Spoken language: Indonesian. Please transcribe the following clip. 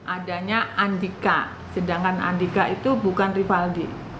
adanya andika sedangkan andika itu bukan rivaldi